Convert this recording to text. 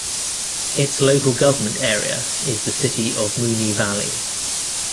Its local government area is the City of Moonee Valley.